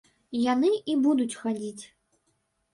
Яны і будуць хадзіць.